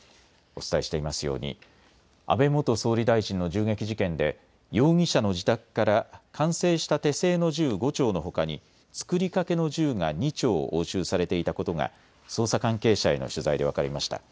お伝えしていますように安倍元総理大臣の銃撃事件で容疑者の自宅から完成した手製の銃５丁のほかに作りかけの銃が２丁押収されていたことが捜査関係者への取材で分かりました。